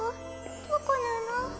どこなの？